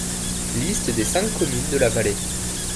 Liste des cinq communes de la vallée.